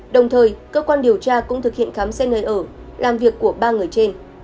đồng thời cơ quan điều tra cũng thực hiện khám xét nơi ở làm việc của ba người trên